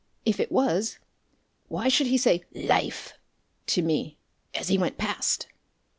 "If it was, why should he say 'LIFE' to me as he went past?"